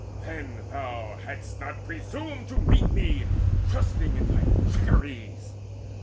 Then thou hadst not presumed To meet me, trusting in thy trickeries!